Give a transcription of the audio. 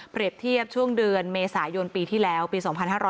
เทียบช่วงเดือนเมษายนปีที่แล้วปี๒๕๕๙